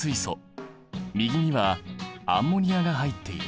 右にはアンモニアが入っている。